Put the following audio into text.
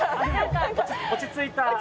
落ち着いた。